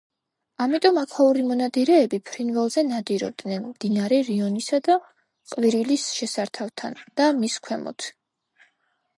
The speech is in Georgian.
ამიტომ აქაური მონადირეები ფრინველზე ნადირობდნენ მდინარე რიონისა და ყვირილის შესართავთან და მის ქვემოთ.